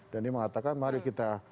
dan dia mengatakan mari kita